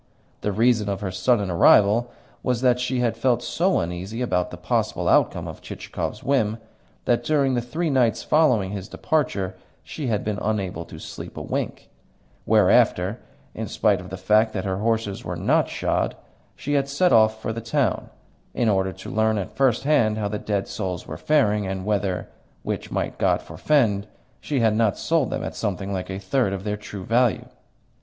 The reason of her sudden arrival was that she had felt so uneasy about the possible outcome of Chichikov's whim, that during the three nights following his departure she had been unable to sleep a wink; whereafter, in spite of the fact that her horses were not shod, she had set off for the town, in order to learn at first hand how the dead souls were faring, and whether (which might God forfend!) she had not sold them at something like a third of their true value.